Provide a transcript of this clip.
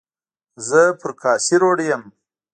زه پر کاسي روډ یم.